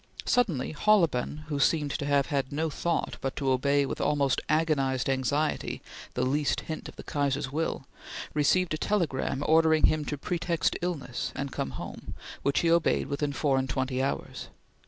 Suddenly Holleben, who seemed to have had no thought but to obey with almost agonized anxiety the least hint of the Kaiser's will, received a telegram ordering him to pretext illness and come home, which he obeyed within four and twenty hours.